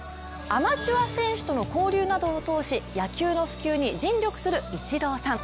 アマチュア選手との交流などを通し野球の普及に尽力するイチローさん。